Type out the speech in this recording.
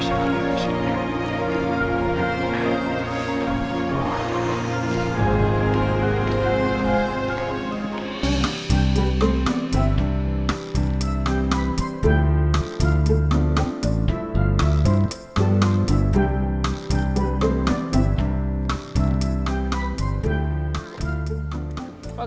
oh baik pak